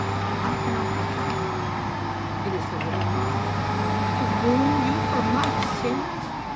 " I cannot help that," Gavin replied. " It is the will of God." " To ruin you for my sins?"